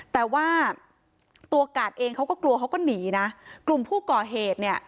แต่ว่าตัวกาดเองเขาก็กลัวเขาก็หนีนะกลุ่มผู้ก่อเหตุเนี่ย